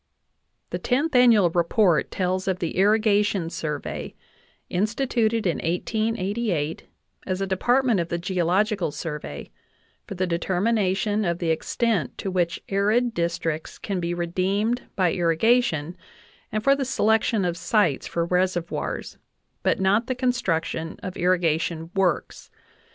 The Tenth Annual Report tells of the Irrigation Survey, in stituted in 1888, as a department of the Geological Survey, for the determination of the extent to which arid districts can be redeemed by irrigation and for the selection of sites for reservoirs, but not the construction of irrigation works.